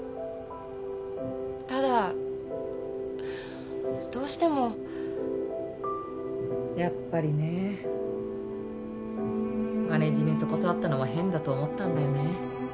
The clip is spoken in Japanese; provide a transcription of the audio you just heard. ただどうしてもやっぱりねマネージメント断ったのも変だと思ったんだよね